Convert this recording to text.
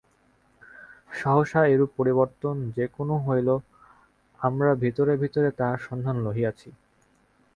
সহসা এরূপ পরিবর্তন যে কেন হইল আমরা ভিতরে ভিতরে তাহার সন্ধান লইয়াছি।